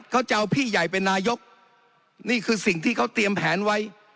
เขาจะเอาพี่ใหญ่เป็นนายกนี่คือสิ่งที่เขาเตรียมแผนไว้